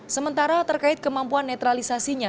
sementara terkait kemampuan netralisasinya